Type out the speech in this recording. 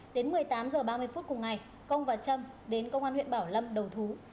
đến một mươi tám h ba mươi phút cùng ngày công và trâm đến công an huyện bảo lâm đầu thú